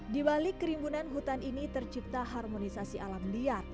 di balik kerimbunan hutan ini tercipta harmonisasi alam liar